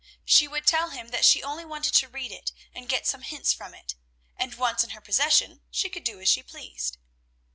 She would tell him that she only wanted to read it and get some hints from it, and once in her possession, she could do as she pleased.